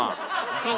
はい。